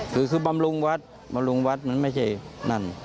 สื่อสือบำรุงวัดไม่ใช่นั่น